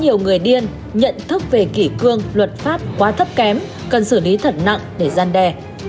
nhiều người điên nhận thức về kỷ cương luật pháp quá thấp kém cần xử lý thật nặng để gian đe